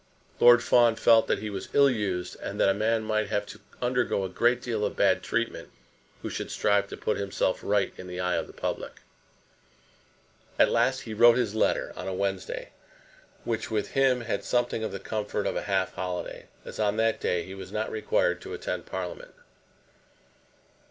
Lord Fawn felt that he was ill used, and that a man might have to undergo a great deal of bad treatment who should strive to put himself right in the eye of the public. At last he wrote his letter, on a Wednesday, which with him had something of the comfort of a half holiday, as on that day he was not required to attend Parliament.